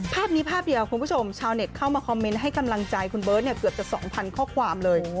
ภาพนี้ภาพเดียวคุณผู้ชมชาวเน็ตเข้ามาคอมเมนต์ให้กำลังใจคุณเบิร์ตเนี่ยเกือบจะ๒๐๐ข้อความเลย